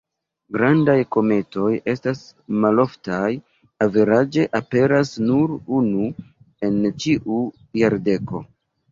Grandaj kometoj estas maloftaj, averaĝe aperas nur unu en ĉiu jardeko.